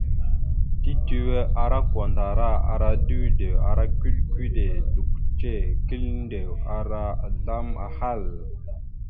Tetʉwe ara kwandara, ara dʉdew, kʉɗe-kʉɗe, dʉkʉce, kʉlindzek, ara azzlam ahal.